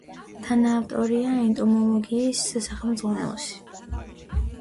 თანაავტორია ენტომოლოგიის სახელმძღვანელოსი.